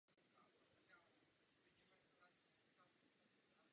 Doufám, že se to nestane tomuto programu pro kulturu.